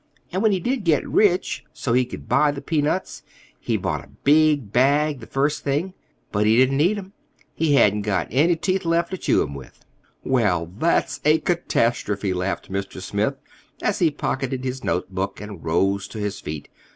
And when he did get rich, so he could buy the peanuts, he bought a big bag the first thing. But he didn't eat 'em. He hadn't got any teeth left to chew 'em with." "Well, that was a catastrophe!" laughed Mr. Smith, as he pocketed his notebook and rose to his feet.